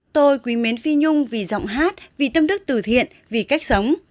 tôi quý mến phi nhung vì giọng hát vì tâm đức tử thiện vì cách sống